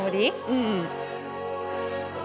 うん。